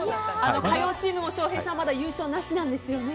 火曜チームも、翔平さんまだ優勝なしなんですよね。